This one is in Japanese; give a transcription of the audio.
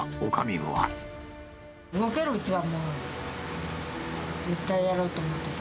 動けるうちはもう、絶対やろうと思ってる。